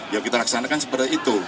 ya kita laksanakan seperti itu